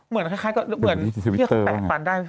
เหมือนคล้ายก็เหมือนที่เขาแปะปันได้